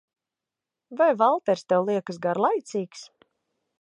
Vai Valters tev liekas garlaicīgs?